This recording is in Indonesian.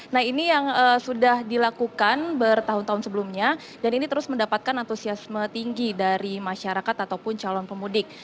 nah ini yang sudah dilakukan bertahun tahun sebelumnya dan ini terus mendapatkan antusiasme tinggi dari masyarakat ataupun calon pemudik